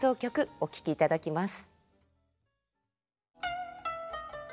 お聴きいただきます。